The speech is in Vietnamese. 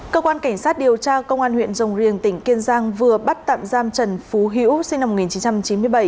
cơ quan cảnh sát điều tra công an huyện rồng riềng tỉnh kiên giang vừa bắt tạm giam trần phú hữu sinh năm một nghìn chín trăm chín mươi bảy